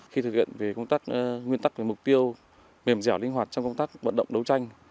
khi thực hiện về công tác nguyên tắc về mục tiêu mềm dẻo linh hoạt trong công tác vận động đấu tranh